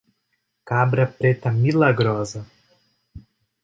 Cabra preta milagrosa